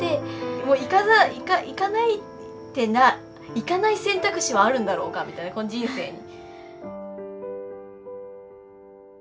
もう行かざる行かない選択肢はあるんだろうかみたいなこの人生に。